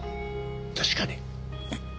確かに。